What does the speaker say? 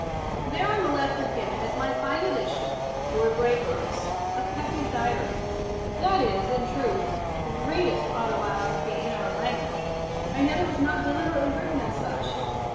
There on the left of Gibbon is my fine edition (Lord Braybrooke's) of Pepys' Diary. That is, in truth, the greatest autobiography in our language, and yet it was not deliberately written as such.